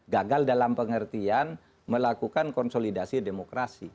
gagal dalam pengertian melakukan konsolidasi demokrasi